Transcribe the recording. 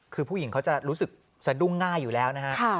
คือผู้หญิงเขาจะรู้สึกสะดุ้งง่ายอยู่แล้วนะฮะ